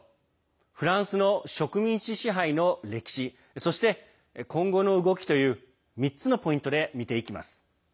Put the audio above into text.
フランスの植民地支配の歴史そして、今後の動きという３つのポイントで見ていきます。